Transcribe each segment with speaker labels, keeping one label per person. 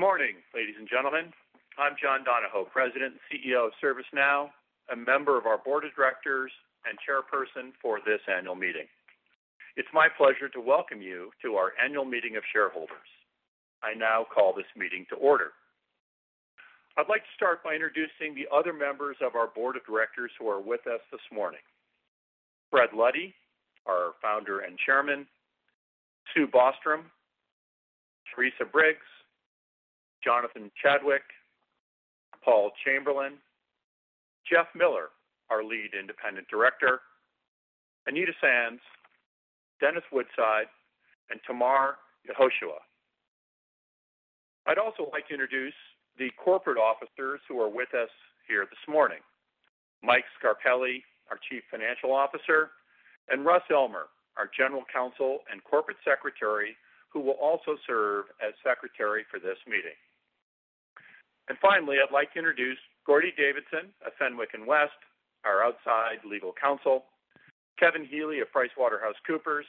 Speaker 1: Good morning, ladies and gentlemen. I'm John Donahoe, President and CEO of ServiceNow, a member of our board of directors, and chairperson for this annual meeting. It's my pleasure to welcome you to our annual meeting of shareholders. I now call this meeting to order. I'd like to start by introducing the other members of our board of directors who are with us this morning. Fred Luddy, our founder and chairman, Sue Bostrom, Teresa Briggs, Jonathan Chadwick, Paul Chamberlain, Jeff Miller, our lead independent director, Anita Sands, Dennis Woodside, and Tamar Yehoshua. I'd also like to introduce the corporate officers who are with us here this morning. Michael Scarpelli, our chief financial officer, and Russell Elmer, our general counsel and corporate secretary, who will also serve as secretary for this meeting. Finally, I'd like to introduce Gordon Davidson of Fenwick & West, our outside legal counsel, Kevin Healy of PricewaterhouseCoopers,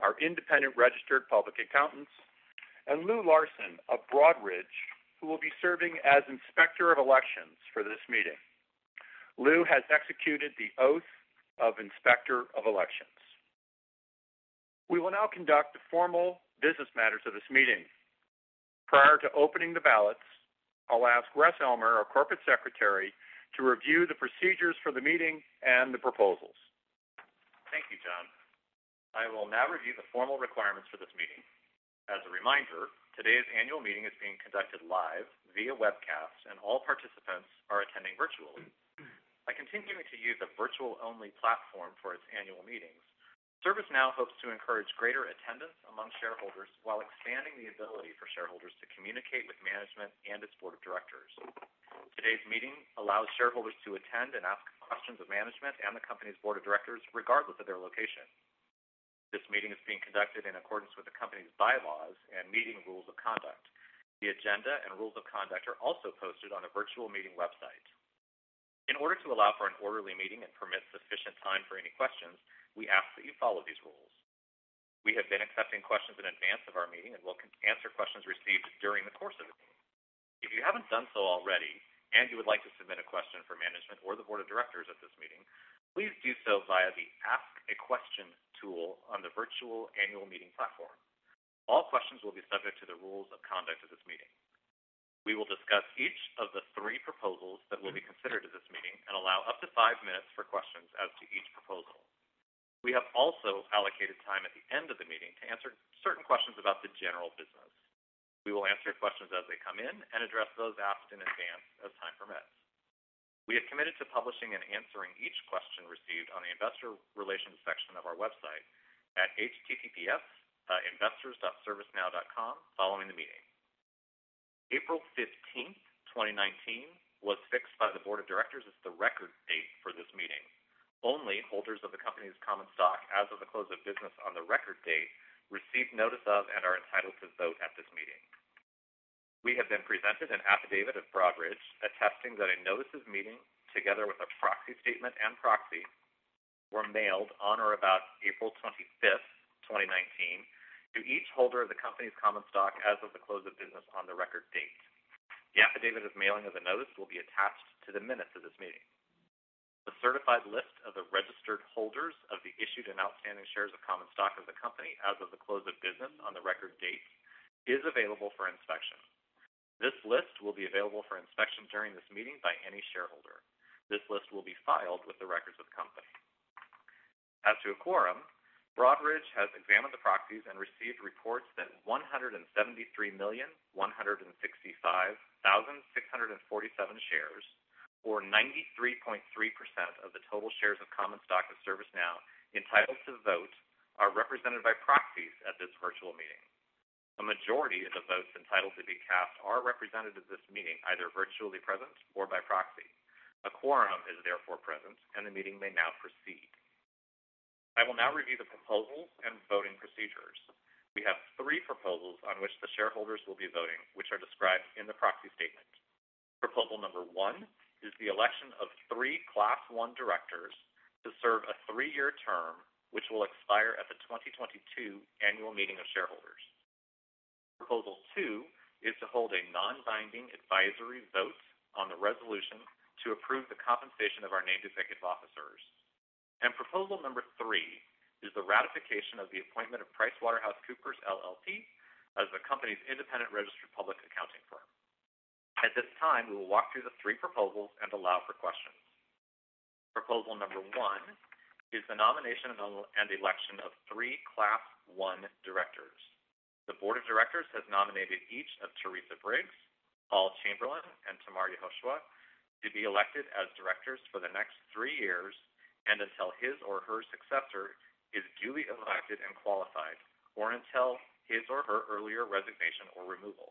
Speaker 1: our independent registered public accountants, and Lou Larson of Broadridge, who will be serving as Inspector of Elections for this meeting. Lou has executed the oath of Inspector of Elections. We will now conduct the formal business matters of this meeting. Prior to opening the ballots, I'll ask Russell Elmer, our corporate secretary, to review the procedures for the meeting and the proposals.
Speaker 2: Thank you, John. I will now review the formal requirements for this meeting. As a reminder, today's annual meeting is being conducted live via webcast, and all participants are attending virtually. By continuing to use a virtual-only platform for its annual meetings, ServiceNow hopes to encourage greater attendance among shareholders while expanding the ability for shareholders to communicate with management and its board of directors. Today's meeting allows shareholders to attend and ask questions of management and the company's board of directors, regardless of their location. This meeting is being conducted in accordance with the company's bylaws and meeting rules of conduct. The agenda and rules of conduct are also posted on the virtual meeting website. In order to allow for an orderly meeting and permit sufficient time for any questions, we ask that you follow these rules. We have been accepting questions in advance of our meeting and will answer questions received during the course of the meeting. If you haven't done so already and you would like to submit a question for management or the board of directors at this meeting, please do so via the Ask a Question tool on the virtual annual meeting platform. All questions will be subject to the rules of conduct of this meeting. We will discuss each of the three proposals that will be considered at this meeting and allow up to five minutes for questions as to each proposal. We have also allocated time at the end of the meeting to answer certain questions about the general business. We will answer questions as they come in and address those asked in advance as time permits. We have committed to publishing and answering each question received on the investor relations section of our website at https://investors.servicenow.com following the meeting. April 15th, 2019, was fixed by the board of directors as the record date for this meeting. Only holders of the company's common stock as of the close of business on the record date received notice of and are entitled to vote at this meeting. We have been presented an affidavit of Broadridge attesting that a notice of meeting, together with a proxy statement and proxy, were mailed on or about April 25th, 2019, to each holder of the company's common stock as of the close of business on the record date. The affidavit of mailing of the notice will be attached to the minutes of this meeting. The certified list of the registered holders of the issued and outstanding shares of common stock of the company as of the close of business on the record date is available for inspection. This list will be available for inspection during this meeting by any shareholder. This list will be filed with the records of the company. As to a quorum, Broadridge has examined the proxies and received reports that 173,165,647 shares, or 93.3% of the total shares of common stock of ServiceNow entitled to vote, are represented by proxies at this virtual meeting. A majority of the votes entitled to be cast are represented at this meeting, either virtually present or by proxy. A quorum is therefore present, and the meeting may now proceed. I will now review the proposals and voting procedures. We have three proposals on which the shareholders will be voting, which are described in the proxy statement. Proposal number one is the election of three Class I directors to serve a three-year term, which will expire at the 2022 annual meeting of shareholders. Proposal two is to hold a non-binding advisory vote on the resolution to approve the compensation of our named executive officers. Proposal number three is the ratification of the appointment of PricewaterhouseCoopers, LLP as the company's independent registered public accounting firm. At this time, we will walk through the three proposals and allow for questions. Proposal number one is the nomination and election of three Class I directors. The board of directors has nominated each of Teresa Briggs, Paul Chamberlain, and Tamar Yehoshua to be elected as directors for the next three years and until his or her successor is duly elected and qualified or until his or her earlier resignation or removal.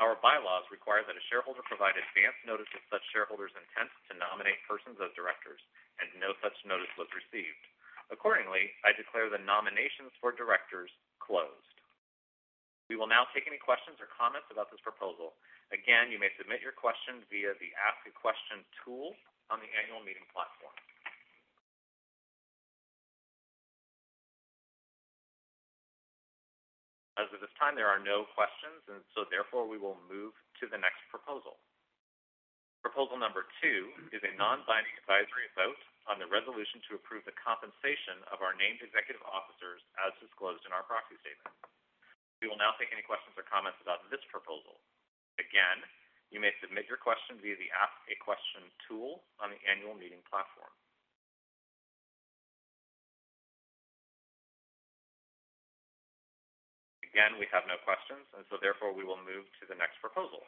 Speaker 2: Our bylaws require that a shareholder provide advance notice of such shareholder's intent to nominate persons as directors, and no such notice was received. Accordingly, I declare the nominations for directors closed. We will now take any questions or comments about this proposal. Again, you may submit your question via the Ask a Question tool on the annual meeting platform. As of this time, there are no questions, therefore we will move to the next proposal. Proposal number two is a non-binding advisory vote on the resolution to approve the compensation of our named executive officers as disclosed in our proxy statement. We will now take any questions or comments about this proposal. Again, you may submit your question via the Ask a Question tool on the annual meeting platform. Again, we have no questions. We will move to the next proposal.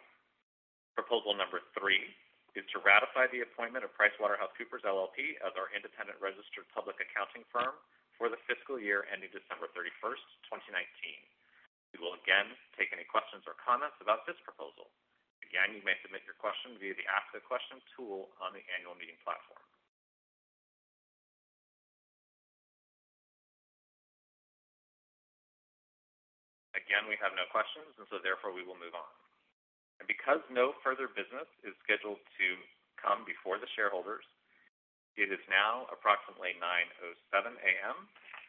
Speaker 2: Proposal number three is to ratify the appointment of PricewaterhouseCoopers, LLP as our independent registered public accounting firm for the fiscal year ending December 31st, 2019. We will again take any questions or comments about this proposal. Again, you may submit your question via the Ask a Question tool on the annual meeting platform. Again, we have no questions. We will move on. Because no further business is scheduled to come before the shareholders, it is now approximately 9:07 A.M.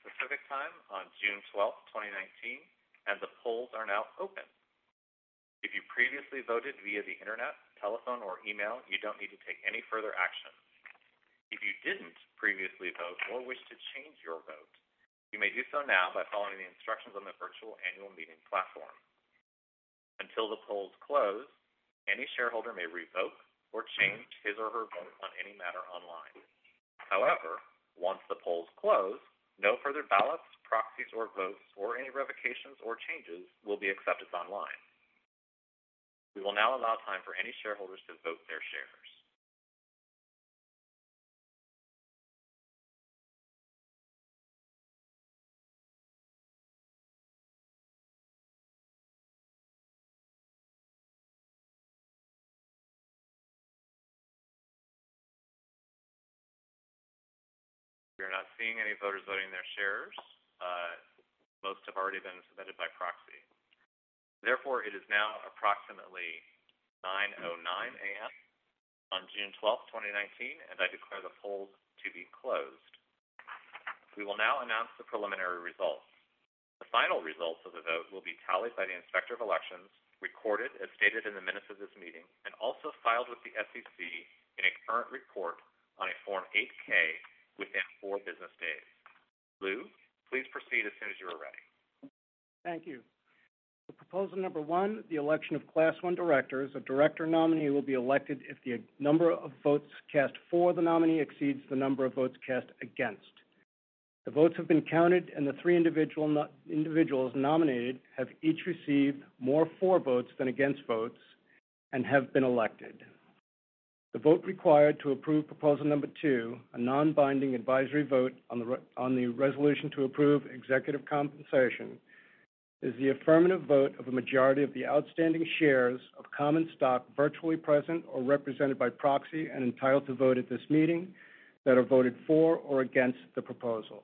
Speaker 2: Pacific Time on June 12th, 2019, and the polls are now open. If you previously voted via the internet, telephone, or email, you don't need to take any further action. If you didn't previously vote or wish to change your vote, you may do so now by following the instructions on the virtual annual meeting platform. Until the polls close, any shareholder may revoke or change his or her vote on any matter online. However, once the polls close, no further ballots, proxies, or votes or any revocations or changes will be accepted online. We will now allow time for any shareholders to vote their shares. We are not seeing any voters voting their shares. Most have already been submitted by proxy. Therefore, it is now approximately 9:09 A.M. on June 12th, 2019, and I declare the polls to be closed. We will now announce the preliminary results. The final results of the vote will be tallied by the inspector of elections, recorded as stated in the minutes of this meeting, and also filed with the SEC in a current report on a Form 8-K within four business days. Lou, please proceed as soon as you are ready.
Speaker 3: Thank you. For proposal number one, the election of Class I directors, a director nominee will be elected if the number of votes cast for the nominee exceeds the number of votes cast against. The votes have been counted. The three individuals nominated have each received more for votes than against votes and have been elected. The vote required to approve proposal number two, a non-binding advisory vote on the resolution to approve executive compensation, is the affirmative vote of a majority of the outstanding shares of common stock virtually present or represented by proxy and entitled to vote at this meeting that are voted for or against the proposal.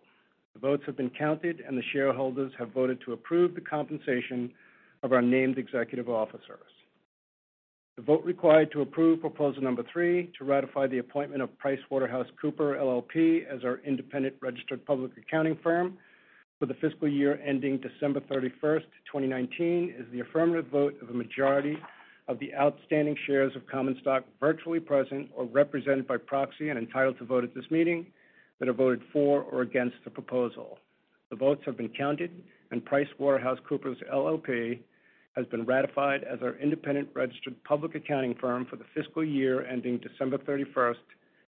Speaker 3: The votes have been counted. The shareholders have voted to approve the compensation of our named executive officers. The vote required to approve proposal number three, to ratify the appointment of PricewaterhouseCoopers, LLP as our independent registered public accounting firm for the fiscal year ending December 31st, 2019, is the affirmative vote of a majority of the outstanding shares of common stock virtually present or represented by proxy and entitled to vote at this meeting that are voted for or against the proposal. The votes have been counted. PricewaterhouseCoopers, LLP has been ratified as our independent registered public accounting firm for the fiscal year ending December 31st,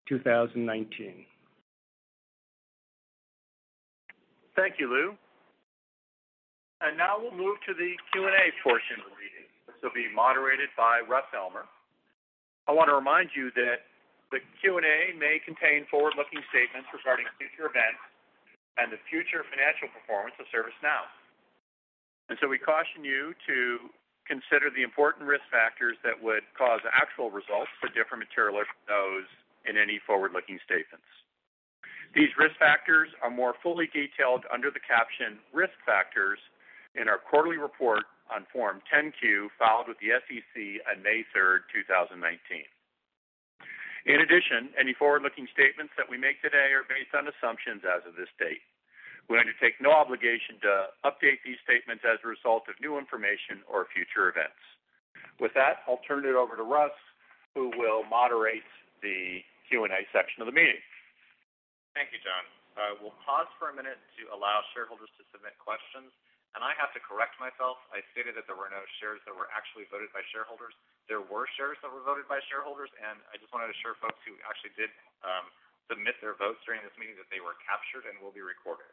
Speaker 3: 2019.
Speaker 1: Thank you, Lou. Now we'll move to the Q&A portion of the meeting. This will be moderated by Russell Elmer. I want to remind you that the Q&A may contain forward-looking statements regarding future events and the future financial performance of ServiceNow. We caution you to consider the important risk factors that would cause actual results to differ materially from those in any forward-looking statements. These risk factors are more fully detailed under the caption Risk Factors in our quarterly report on Form 10-Q filed with the SEC on May 3rd, 2019. In addition, any forward-looking statements that we make today are based on assumptions as of this date. We undertake no obligation to update these statements as a result of new information or future events. With that, I'll turn it over to Russ, who will moderate the Q&A section of the meeting.
Speaker 2: Thank you, John. We'll pause for a minute to allow shareholders to submit questions. I have to correct myself. I stated that there were no shares that were actually voted by shareholders. There were shares that were voted by shareholders, and I just want to assure folks who actually did submit their votes during this meeting that they were captured and will be recorded.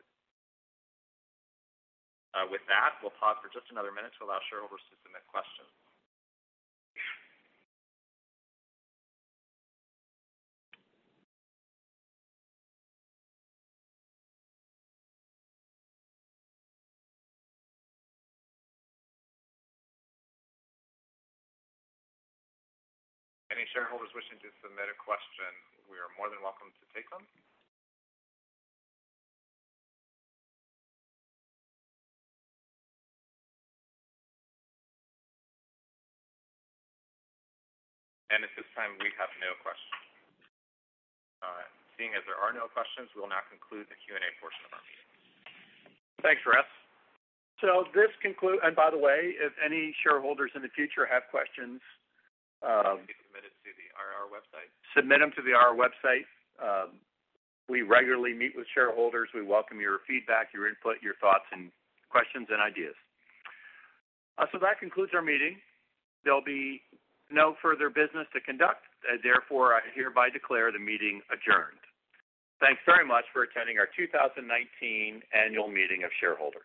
Speaker 2: With that, we'll pause for just another minute to allow shareholders to submit questions. Any shareholders wishing to submit a question, we are more than welcome to take them. At this time, we have no questions. Seeing as there are no questions, we will now conclude the Q&A portion of our meeting.
Speaker 1: Thanks, Russ.
Speaker 2: Can be submitted through the IR website.
Speaker 1: submit them to the IR website. We regularly meet with shareholders. We welcome your feedback, your input, your thoughts and questions and ideas. That concludes our meeting. There'll be no further business to conduct. Therefore, I hereby declare the meeting adjourned. Thanks very much for attending our 2019 annual meeting of shareholders.